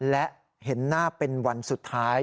และเห็นหน้าเป็นวันสุดท้าย